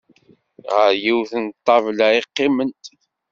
Ɣer yiwet n ṭṭabla i qqiment.